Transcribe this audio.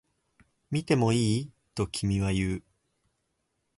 見てもいい？と君は言う